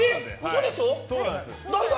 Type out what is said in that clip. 嘘でしょ！